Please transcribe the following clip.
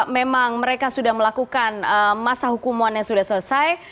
memang mereka sudah melakukan masa hukumuan yang sudah selesai